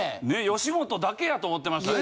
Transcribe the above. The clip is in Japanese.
吉本だけやと思ってましたね